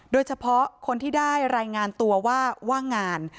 โดยเฉพาะคนที่ได้รายงานตัวว่าว่างงาน